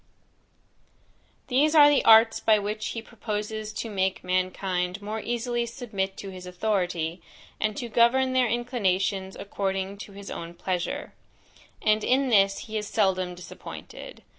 These are the arts by which he proposes to make mankind more easily submit to his authority, and to govern their inclinations according to his own pleasure: and in this he is seldom disappointed.